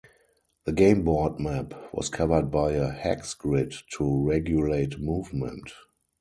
The game board map was covered by a hex grid to regulate movement.